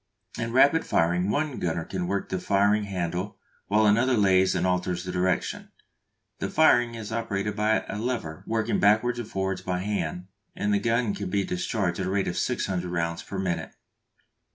In rapid firing one gunner can work the firing handle while another lays and alters the direction. The firing is operated by a lever working backwards and forwards by hand, and the gun can be discharged at the rate of 600 rounds per minute.